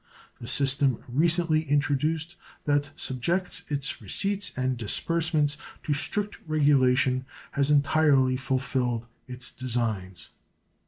The system recently introduced that subjects its receipts and disbursements to strict regulation has entirely fulfilled its designs.